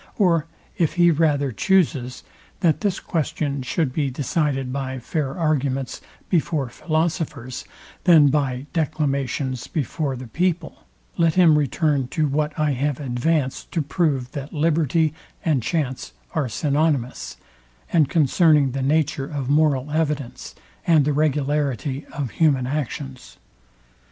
Or if he rather chuses, that this question should be decided by fair arguments before philosophers, than by declamations before the people, let him return to what I have advanced to prove that liberty and chance are synonimous; and concerning the nature of moral evidence and the regularity of human actions.